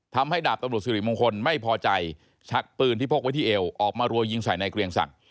ดาบตำรวจสิริมงคลไม่พอใจชักปืนที่พกไว้ที่เอวออกมารัวยิงใส่ในเกรียงศักดิ